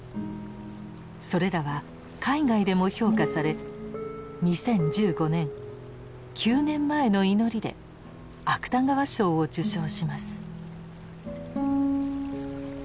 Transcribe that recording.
それらは海外でも評価され２０１５年「九年前の祈り」で芥川賞を受賞します。